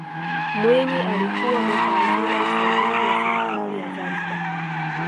mwinyi alikuwa mweka hazina msaidizi wa serikali ya zanzibar